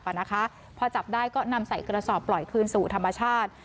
พอจับได้ก็นำใส่กระสอบปล่อยคืนสู่ธรรมชาติ